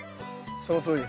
そのとおりです。